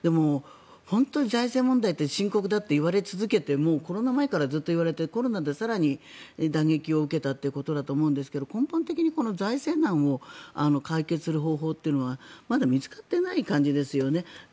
本当に、財政問題って深刻だといわれ続けてコロナ前からずっと言われてコロナで更に打撃を受けたということだと思うんですけど根本的に財政難を解決する方法というのはまだ見つかってない感じですよね。